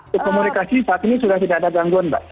untuk komunikasi saat ini sudah tidak ada gangguan mbak